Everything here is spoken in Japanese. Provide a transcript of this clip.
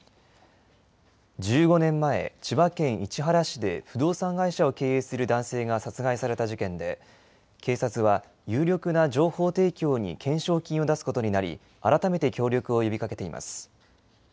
１５年前、千葉県市原市で不動産会社を経営する男性が殺害された事件で、警察は有力な情報提供に懸賞金を出すことになり、改めて協力を呼びかけています。